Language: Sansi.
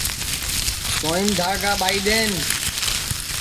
سوںئیم دھاگا ٻائی دؔین